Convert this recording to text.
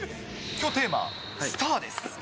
きょう、テーマ、スターです。